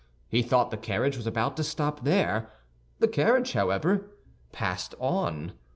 He thought the carriage was about to stop there. The carriage, however, passed on.